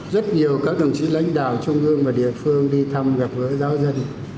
rất nhiều các đồng chí lãnh đạo trung ương và địa phương đi thăm gặp gỡ giáo dân